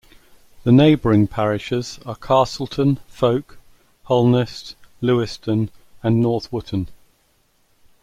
The neighbouring parishes are Castleton, Folke, Holnest, Leweston, and North Wootton.